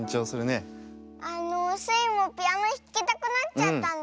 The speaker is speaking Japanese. あのスイもピアノひきたくなっちゃったんですけど。